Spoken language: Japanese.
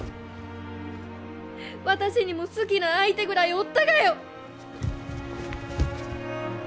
私にも好きな相手ぐらいおったがよ！